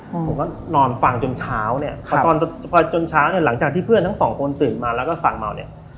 ผมก็นอนฟังจนเช้าเนี้ยพอตอนพอจนเช้าเนี้ยหลังจากที่เพื่อนทั้งสองคนตื่นมาแล้วก็ฟังเมาเนี่ย